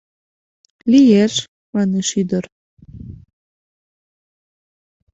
— Лиеш, — манеш ӱдыр.